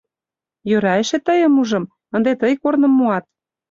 Йӧра эше тыйым ужым, ынде тый корным муат.